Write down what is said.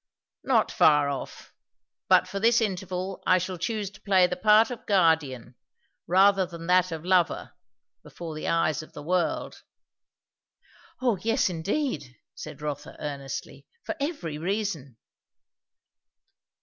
"Not far off; but for this interval I shall choose to play the part of guardian, rather than that of lover, before the eyes of the world." "O yes, indeed!" said Rotha earnestly. "For every reason."